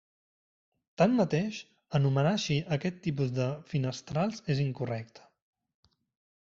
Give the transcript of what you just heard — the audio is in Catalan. Tanmateix, anomenar així aquest tipus de finestrals és incorrecte.